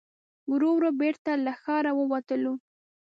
ورو ورو بېرته له ښاره ووتلو.